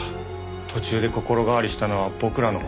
途中で心変わりしたのは僕らのほうなのに。